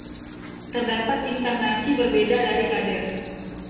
Terdapat inkarnasi berbeda dari Kader.